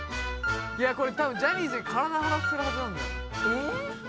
これ多分ジャニーズに体張らしてるはずなんだよえっ？